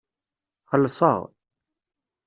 Xellseɣ.